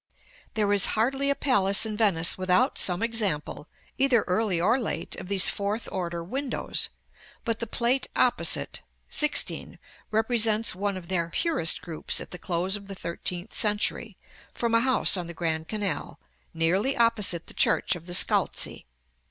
There is hardly a palace in Venice without some example, either early or late, of these fourth order windows; but the Plate opposite (XVI.) represents one of their purest groups at the close of the thirteenth century, from a house on the Grand Canal, nearly opposite the Church of the Scalzi.